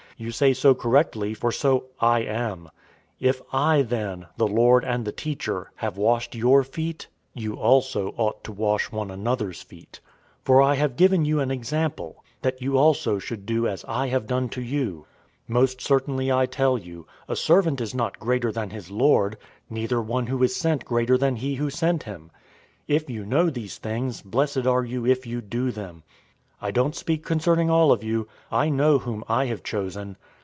You say so correctly, for so I am. 013:014 If I then, the Lord and the Teacher, have washed your feet, you also ought to wash one another's feet. 013:015 For I have given you an example, that you also should do as I have done to you. 013:016 Most certainly I tell you, a servant is not greater than his lord, neither one who is sent greater than he who sent him. 013:017 If you know these things, blessed are you if you do them. 013:018 I don't speak concerning all of you. I know whom I have chosen.